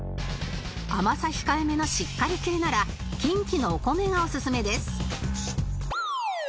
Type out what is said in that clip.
甘さ控えめなしっかり系なら近畿のお米がおすすめです